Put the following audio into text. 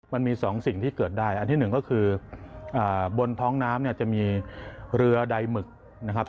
มันมีสองสิ่งที่เกิดได้อันที่หนึ่งก็คือบนท้องน้ำเนี่ยจะมีเรือใดหมึกนะครับ